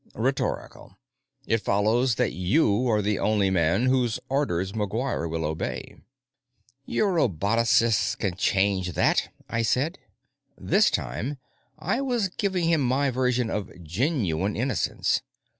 "Rhetorical. It follows that you are the only man whose orders McGuire will obey." "Your robotocists can change that," I said. This time, I was giving him my version of "genuine" innocence.